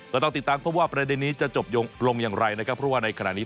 ต้องติดตามเขาว่าประเด็นนี้จะจบลงอย่างไรนะครับเพราะว่าในขณะนี้